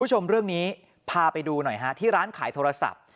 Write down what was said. คุณผู้ชมเรื่องนี้พาไปดูหน่อยฮะที่ร้านขายโทรศัพท์